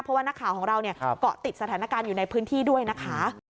เพราะว่านักข่าวของเราเนี่ยเกาะติดสถานการณ์อยู่ในพื้นที่ด้วยนะคะ